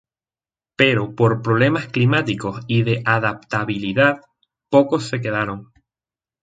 Pero, por problemas climáticos y de adaptabilidad, pocos se quedaron.